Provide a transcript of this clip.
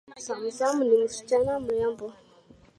Zamzam ni msichana mrembo.